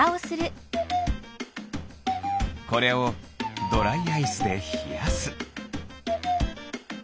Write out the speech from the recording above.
これをドライアイスでひやす。